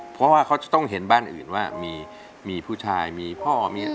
เพราะว่าเขาจะต้องเห็นบ้านอื่นว่ามีผู้ชายมีพ่อมี